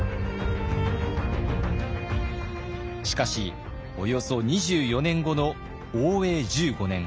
しかしおよそ２４年後の応永１５年。